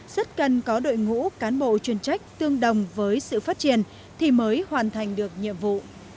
rất cần có đội ngũ cán bộ chuyên trách tương đồng với sự phát triển thì mới hoàn thành được nhiệm vụ